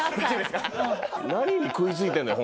何に食い付いてんだよ？